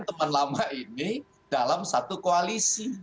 teman lama ini dalam satu koalisi